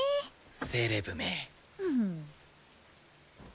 セレブめ。